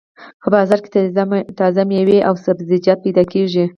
په بازار کې تازه مېوې او سبزيانې پیدا کېږي.